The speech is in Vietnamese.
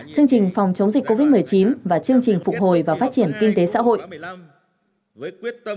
chương trình phòng chống dịch covid một mươi chín và chương trình phục hồi và phát triển kinh tế xã hội